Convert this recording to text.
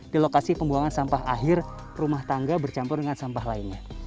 di lokasi pembuangan sampah akhir rumah tangga bercampur dengan sampah lainnya